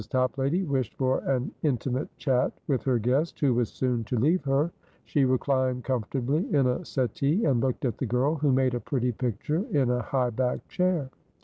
Toplady wished for an intimate chat with her guest, who was soon to leave her; she reclined comfortably in a settee, and looked at the girl, who made a pretty picture in a high backed chair.